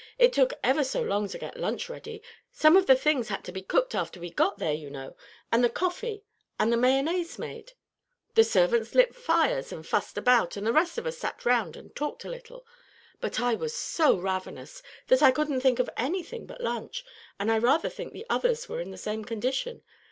It took ever so long to get lunch ready. Some of the things had to be cooked after we got there, you know, and the coffee and the mayonnaise made. The servants lit fires and fussed about, and the rest of us sat round and talked a little; but I was so ravenous that I couldn't think of anything but lunch, and I rather think the others were in the same condition.